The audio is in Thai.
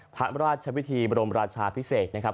พระราชวิธีบรมราชาพิเศษนะครับ